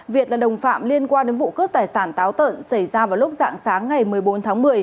việt là đồng phạm liên quan đến vụ cướp tài sản táo tợn xảy ra vào lúc dạng sáng ngày một mươi bốn tháng một mươi